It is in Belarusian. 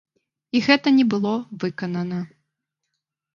І гэта не было выканана.